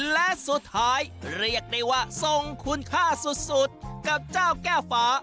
และสุดท้ายเรียกได้ว่าทรงคุณค่าสุดกับเจ้าแก้วฟ้า